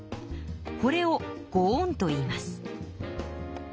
これをご恩といいます。